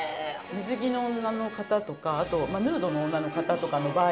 水着の女の方とかあとヌードの女の方とかの場合もあったりとか。